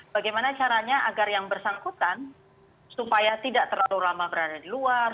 bagaimana caranya agar yang bersangkutan supaya tidak terlalu lama berada di luar